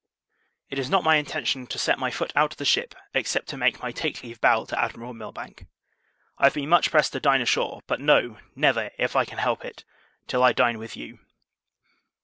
It is not my intention to set my foot out of the ship, except to make my take leave bow to Admiral Milbank. I have been much pressed to dine ashore: but, no; never, if I can help it, till I dine with you.